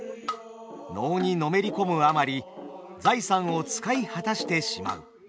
能にのめり込むあまり財産を使い果たしてしまう。